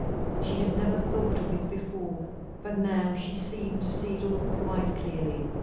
She had never thought of it before, but now she seemed to see it all quite clearly.